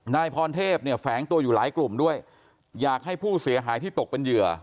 นายพรเทพเนี่ยแฝงตัวอยู่หลายกลุ่มด้วยอยากให้ผู้เสียหายที่ตกเป็นเหยื่อ